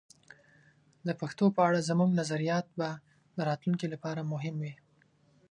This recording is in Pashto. د پښتو په اړه زموږ نظریات به د راتلونکي لپاره مهم وي.